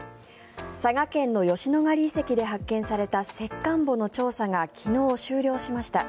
佐賀県の吉野ヶ里遺跡で発見された石棺墓の調査が昨日、終了しました。